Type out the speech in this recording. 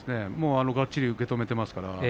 がっちり受け止めています。